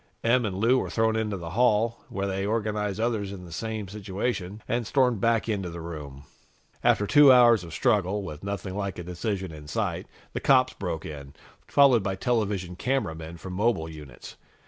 Em and Lou were thrown into the hall, where they organized others in the same situation, and stormed back into the room. After two hours of struggle, with nothing like a decision in sight, the cops broke in, followed by television cameramen from mobile units.